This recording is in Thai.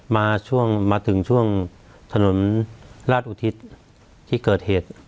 มาช่วงมาถึงช่วงถนนราชอุทิศที่เกิดเหตุ